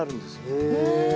へえ。